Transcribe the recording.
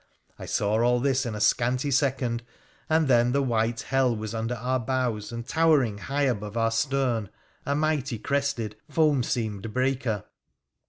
I saw all this in a scanty second, and then the white hell was under our bows and towering high above our stern a mighty crested, foam seamed breaker.